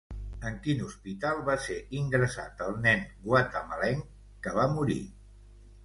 En quin hospital va ser ingressat el nen guatemalenc que va morir?